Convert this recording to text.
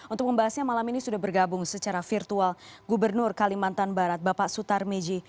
untuk membahasnya malam ini sudah bergabung secara virtual gubernur kalimantan barat bapak sutar miji